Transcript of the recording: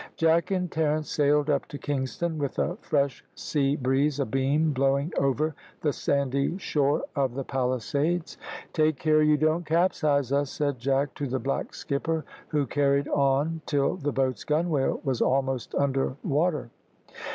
Jack and Terence sailed up to Kingston with a fresh sea breeze a beam blowing over the sandy shore of the Palisades. "Take care you don't capsize us," said Jack to the black skipper, who carried on till the boat's gunwale was almost under water.